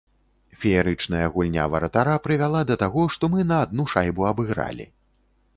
Феерычная гульня варатара прывяла да таго, што мы на адну шайбу абыгралі.